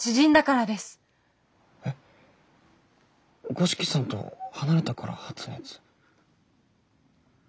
五色さんと離れたから発熱？